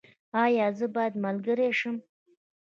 ایا زه باید ملګری شم؟